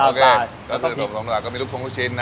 แล้วก็พริกโซมเหล่าก็มีลูกทุ่มผู้ชิ้นนะ